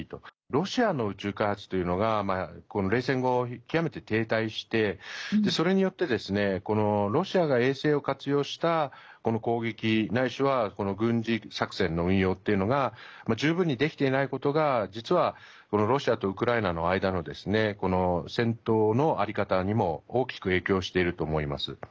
ロシアの宇宙開発というのが冷戦後、極めて停滞してそれによってロシアが衛星を活用したこの攻撃ないしはこの軍事作戦の運用っていうのが十分にできていないことが実は、ロシアとウクライナの間の戦闘の在り方にも大きく影響していると思います。